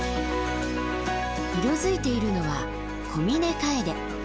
色づいているのはコミネカエデ。